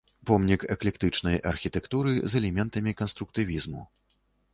Помнік эклектычнай архітэктуры з элементамі канструктывізму.